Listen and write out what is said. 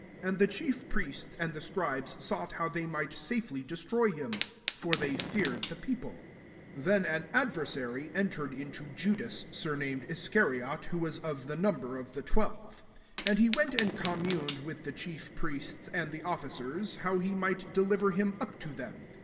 2 And the chief priests and the scribes sought how they might aa/eiy destroy him: for they feared the people. •13 150 LUKE XXII. S Then an adversary* enter ed into Judas surnamed Isca riot, who was of the number of the twelve. 4 And he went and communed with the chief priests and the officers, how he might deliver him up to them.